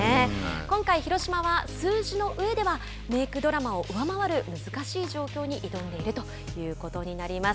今回、広島は数字の上では「メークドラマ」を上回る難しい状況に挑んでいるということになります。